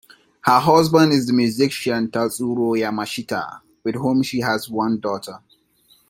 Her husband is the musician Tatsuro Yamashita, with whom she has one daughter.